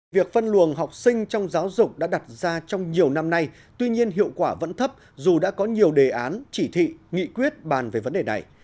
việc phân luồng học sinh trong giáo dục đã đặt ra trong nhiều năm nay tuy nhiên hiệu quả vẫn thấp dù đã có nhiều đề án chỉ thị nghị quyết bàn về vấn đề này